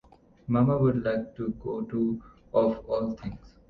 Mamma would like to go too of all things!